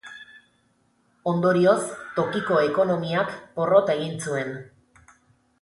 Ondorioz, tokiko ekonomiak porrot egin zuen.